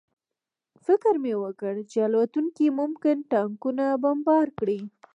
فکر مې وکړ چې الوتکې ممکن ټانکونه بمبار کړي